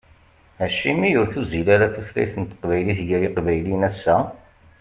Acimi ur tuzzil ara tutlayt n teqbaylit gar yiqbayliyen ass-a?